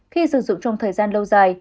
khi sử dụng trong thời gian lâu dài